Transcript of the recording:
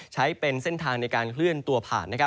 ใช้เป็นเส้นทางในการเคลื่อนตัวผ่าน